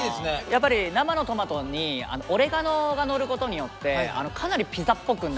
やっぱり生のトマトにオレガノがのることによってかなりピザっぽくなる。